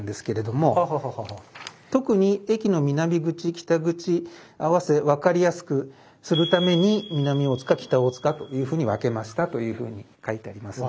特に駅の南口北口に合わせ分かりやすくするために南大塚北大塚というふうに分けましたというふうに書いてありますね。